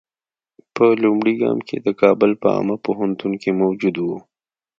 په لومړي ګام کې د کابل په عامه کتابتون کې موجود وو.